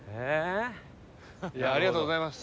ありがとうございます。